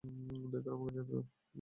দয়া করে আমাকে যেতে দাও!